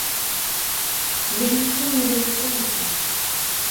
Вы ж нічым не рызыкуеце.